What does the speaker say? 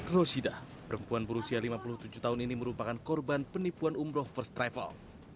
rosida perempuan berusia lima puluh tujuh tahun ini merupakan korban penipuan umroh first travel